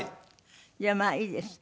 じゃあまあいいです。